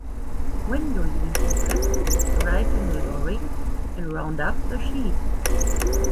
Wendolene and Preston arrive in the lorry and round up the sheep.